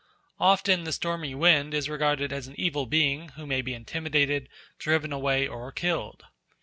Often the stormy wind is regarded as an evil being who may be intimidated, driven away, or killed.